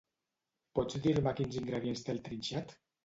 Pots dir-me quins ingredients té el trinxat?